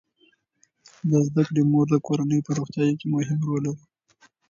د زده کړې مور د کورنۍ په روغتیا کې مهم رول لوبوي.